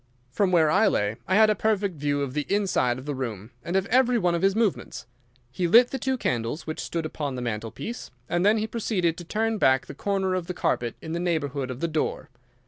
"From where I lay I had a perfect view of the inside of the room and of every one of his movements. He lit the two candles which stood upon the mantelpiece, and then he proceeded to turn back the corner of the carpet in the neighbourhood of the door.